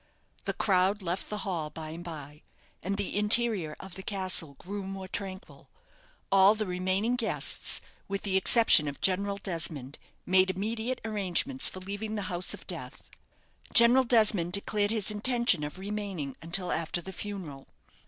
The crowd left the hall by and by, and the interior of the castle grew more tranquil. All the remaining guests, with the exception of General Desmond, made immediate arrangements for leaving the house of death. General Desmond declared his intention of remaining until after the funeral.